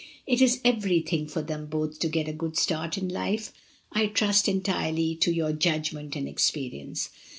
It is everything ioi them both to get a good start in life. I trust entirely to your judgment and experience.